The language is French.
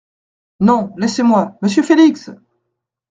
Non, laissez-moi, monsieur Félix !…